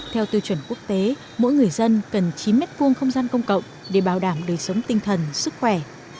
theo tiêu chuẩn quốc tế mỗi người dân cần chín m hai không gian công cộng để bảo đảm đời sống tinh thần sức khỏe